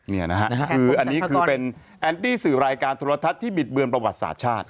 นี่นะฮะคืออันนี้คือเป็นแอนตี้สื่อรายการโทรทัศน์ที่บิดเบือนประวัติศาสตร์ชาติ